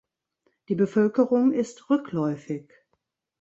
Die Bevölkerung ist rückläufig.